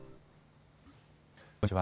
こんにちは。